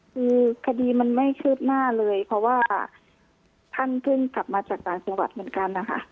คือคดีมันไม่คืบหน้าเลยเพราะว่าท่านเพิ่งกลับมาจากต่างจังหวัดเหมือนกันนะคะ